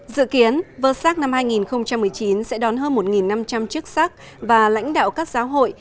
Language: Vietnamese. dự kiến vơ sắc năm hai nghìn một mươi chín sẽ đón hơn một năm trăm linh chức sắc và lãnh đạo các giáo hội